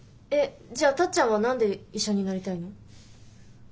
えっじゃあタッちゃんは何で医者になりたいの？